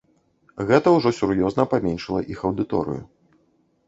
Гэта ўжо сур'ёзна паменшыла іх аўдыторыю.